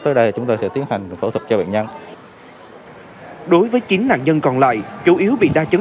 tới đây chúng tôi sẽ tiến hành phẫu thuật cho bệnh nhân đối với chín nạn nhân còn lại chủ yếu bị đa chấn